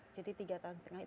jadi tiga tahun setengah